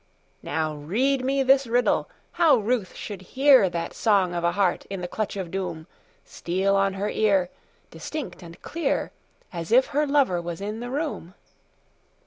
Now read me this riddle, how Ruth should hearThat song of a heart in the clutch of doomSteal on her ear, distinct and clearAs if her lover was in the room.